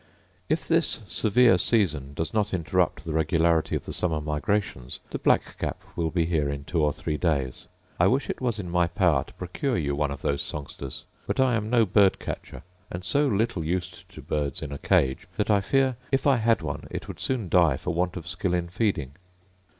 If this severe season does not interrupt the regularity of the summer migrations, the black cap will be here in two or three days. I wish it was in my power to procure you one of those songsters; but I am no birdcatcher; and so little used to birds in a cage, that I fear if I had one it would soon die for want of skill in feeding.